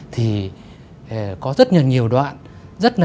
thì có rất nhiều đoạn